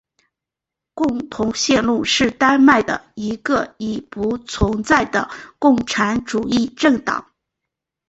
共同路线是丹麦的一个已不存在的共产主义政党。